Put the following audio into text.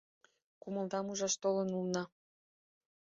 Кумылдам ужаш толын улына.